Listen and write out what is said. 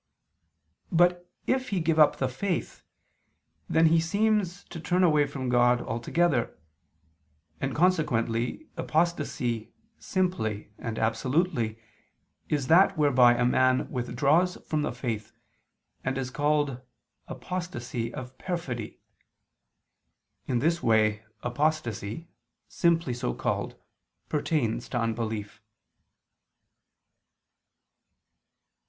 But if he give up the faith, then he seems to turn away from God altogether: and consequently, apostasy simply and absolutely is that whereby a man withdraws from the faith, and is called "apostasy of perfidy." In this way apostasy, simply so called, pertains to unbelief.